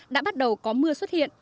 đã bắt đầu có mưa xuất hiện